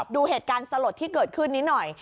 ดูเหตุการณ์สลดที่เกิดขึ้นนี้หน่อย